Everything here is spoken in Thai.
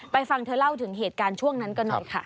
ฟังเธอเล่าถึงเหตุการณ์ช่วงนั้นกันหน่อยค่ะ